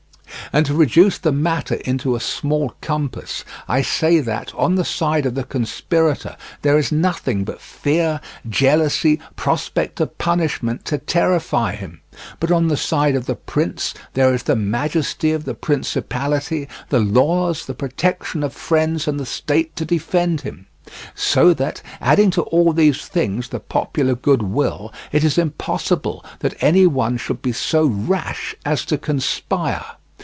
And, to reduce the matter into a small compass, I say that, on the side of the conspirator, there is nothing but fear, jealousy, prospect of punishment to terrify him; but on the side of the prince there is the majesty of the principality, the laws, the protection of friends and the state to defend him; so that, adding to all these things the popular goodwill, it is impossible that any one should be so rash as to conspire.